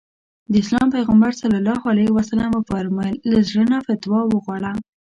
د اسلام پيغمبر ص وفرمايل له زړه نه فتوا وغواړه.